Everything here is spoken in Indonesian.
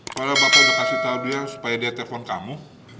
kalau bapak udah kasih tau dia supaya dia telpon kamu